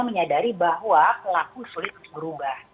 menyadari bahwa pelaku sulit untuk berubah